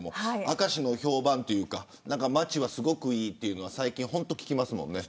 明石の評判というか街はすごくいいっていうのは最近、聞きますもんね。